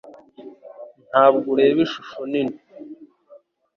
Ntabwo ureba ishusho nini.